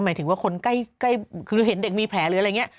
หมายถึงว่าคนใกล้คือเห็นเด็กมีแผลหรืออะไรอย่างนี้